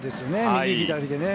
右左でね。